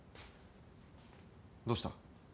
どうした？